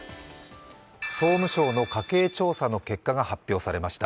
総務省の家計調査の結果が発表されました。